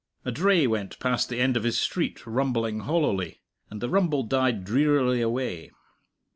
A dray went past the end of his street rumbling hollowly, and the rumble died drearily away.